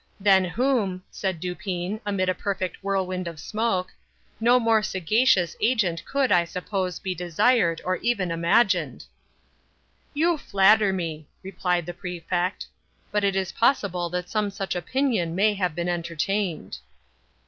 "Than whom," said Dupin, amid a perfect whirlwind of smoke, "no more sagacious agent could, I suppose, be desired, or even imagined." "You flatter me," replied the Prefect; "but it is possible that some such opinion may have been entertained."